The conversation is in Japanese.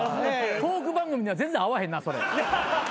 トーク番組には全然合わへんなそれ。